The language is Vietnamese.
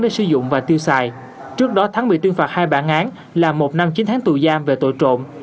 để sử dụng và tiêu xài trước đó thắng bị tuyên phạt hai bản án là một năm chín tháng tù giam về tội trộm